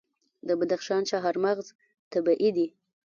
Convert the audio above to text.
د بدخشان چهارمغز طبیعي دي.